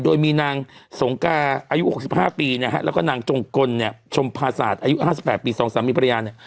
โดยมีนางสงกาอายุ๖๕ปีแล้วก็นางจงกลชมภาษาอายุ๕๘ปีสองสามมีปริญญาณ